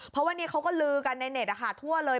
เพราะว่านี่เขาก็ลือกันในเน็ตทั่วเลย